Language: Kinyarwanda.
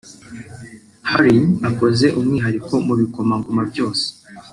Harry akoze umwihariko mu bikomomangoma byose